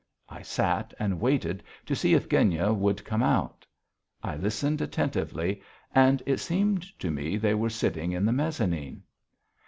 I sat and waited to see if Genya would come out. I listened attentively and it seemed to me they were sitting in the mezzanine.